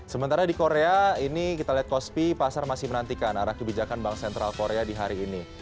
sementara di korea ini kita lihat kospi pasar masih menantikan arah kebijakan bank sentral korea di hari ini